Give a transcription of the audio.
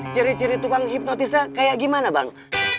ciri ciri tukang hipnotisnya kayak gimana bang